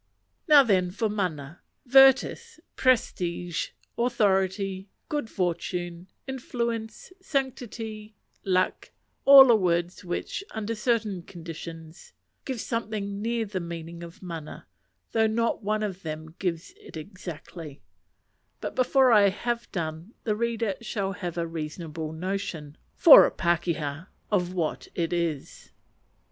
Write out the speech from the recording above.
Now then for mana. Virtus, prestige, authority, good fortune, influence, sanctity, luck, are all words which, under certain conditions, give something near the meaning of mana, though not one of them gives it exactly: but before I have done, the reader shall have a reasonable notion (for a pakeha) of what it is.